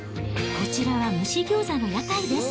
こちらは蒸し餃子の屋台です。